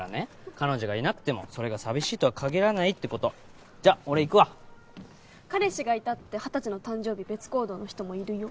彼女がいなくてもそれが寂しいとは限らないってことじゃあ俺行くわ彼氏がいたって二十歳の誕生日別行動の人もいるよ